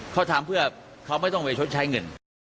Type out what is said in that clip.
เขาทำเพื่อเขาไม่ต้องไปชดใช้เงิน